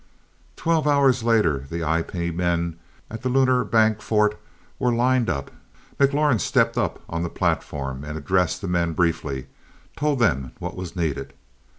Twelve hours later, the IP men at the Lunar Bank fort were lined up. McLaurin stepped up on the platform, and addressed the men briefly, told them what was needed.